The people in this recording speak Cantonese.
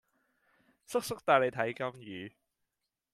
叔叔帶你睇金魚